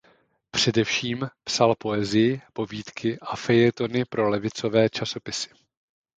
Především psal poezii povídky a fejetony pro levicové časopisy.